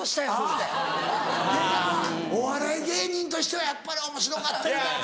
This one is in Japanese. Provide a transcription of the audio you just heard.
出川お笑い芸人としてはやっぱり「おもしろかった」。